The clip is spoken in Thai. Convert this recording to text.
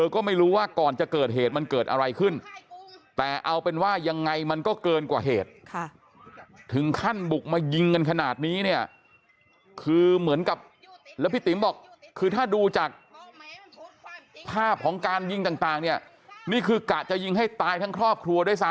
ก็ไม่รู้ว่าก่อนจะเกิดเหตุมันเกิดอะไรขึ้นแต่เอาเป็นว่ายังไงมันก็เกินกว่าเหตุถึงขั้นบุกมายิงกันขนาดนี้เนี่ยคือเหมือนกับแล้วพี่ติ๋มบอกคือถ้าดูจากภาพของการยิงต่างเนี่ยนี่คือกะจะยิงให้ตายทั้งครอบครัวด้วยซ้